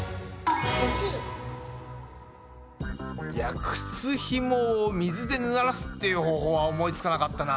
いや靴ひもを水でぬらすっていう方法は思いつかなかったな。